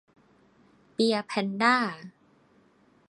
เบียร์แพนด้า !